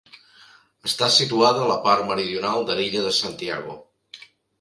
Està situada a la part meridional de l'illa de Santiago.